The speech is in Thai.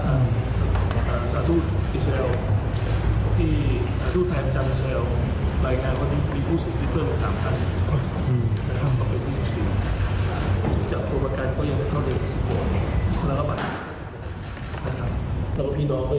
เรื่องนี้เป็นเรื่องที่เราให้กับชาวสุภิกษ์